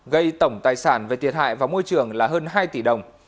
gây tổng tài sản về thiệt hại và môi trường là hơn hai tỷ đồng